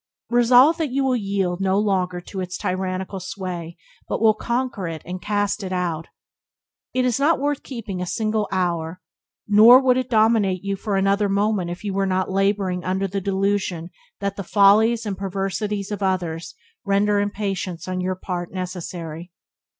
Resolve that you will yield no longer to its tyrannical sway but will conquer it and cast it out. It is not worth keeping a single hour, nor would it dominate you for another moment if you were not labouring under the delusion that the follies and perversities of others render impatience on your part necessary.